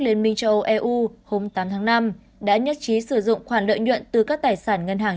liên minh châu âu eu hôm tám tháng năm đã nhất trí sử dụng khoản lợi nhuận từ các tài sản ngân hàng